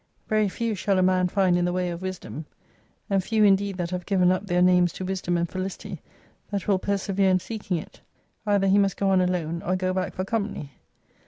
Very few shall a man find in the way of wisdom : and few indeed that having given up their names to wisdom and felicity, that will persevere in seeking it. Either he must go on alone, or go back for company.